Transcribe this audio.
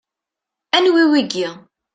Anwi wiyi?